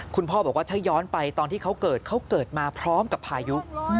คุณพ่อบอกว่าถ้าย้อนไปตอนที่เขาเกิดเขาเกิดมาพร้อมกับพายุ